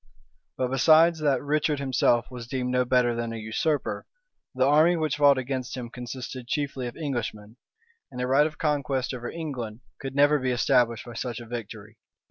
But besides that Richard himself was deemed no better than a usurper, the army which fought against him consisted chiefly of Englishmen; and a right of conquest over England could never be established by such a victory.